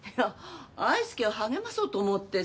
愛介を励まそうと思ってさ。